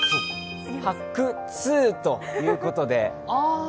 ハックツーということで。